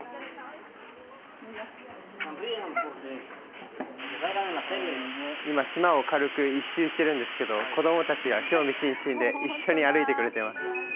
オラ今島を軽く１周してるんですけど子供達が興味津々で一緒に歩いてくれています